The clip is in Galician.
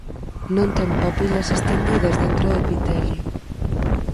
Non ten papilas estendidas dentro do epitelio.